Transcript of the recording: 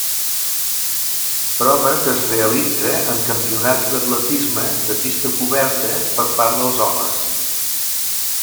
Prova que es realitza en campionats d'atletisme de pista coberta per part dels homes.